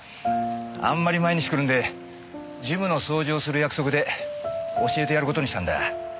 あんまり毎日来るんでジムの掃除をする約束で教えてやる事にしたんだ。